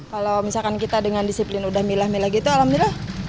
kalau misalkan kita dengan disiplin udah milah milah gitu alhamdulillah